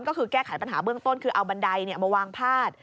ก็คือแก้ไขปัญหาเบื้องต้นคือเอาบันไดมาวางพาด